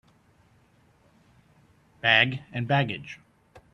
Bag and baggage